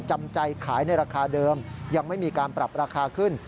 จำใจขายในราคาเดิมยังไม่มีการปรับราคาขึ้น